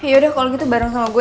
yaudah kalau gitu bareng sama gue